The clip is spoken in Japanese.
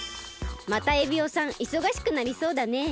またエビオさんいそがしくなりそうだねえ。